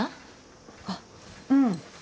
あっうん。